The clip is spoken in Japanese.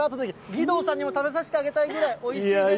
義堂さんにも食べさせてあげたいぐらいおいしいです。